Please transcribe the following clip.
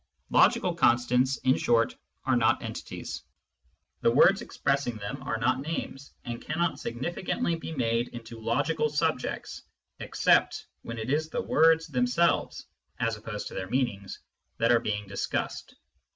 " Logical constants," in short, are not entities ; the words expressing them are not names, and cannot significantly be made into logical subjects except when it is the words themselves, as opposed to their meanings, that are being discussed.